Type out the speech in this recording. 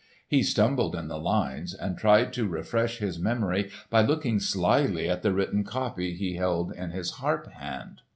He stumbled in the lines and tried to refresh his memory by looking slyly at the written copy he held in his harp hand.